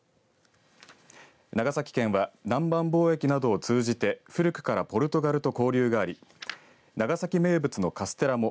長崎県は南蛮貿易などを通じて古くからポルトガルと交流があり長崎名物のカステラも